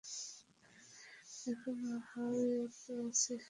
এখনো হাইওয়েতে আছি।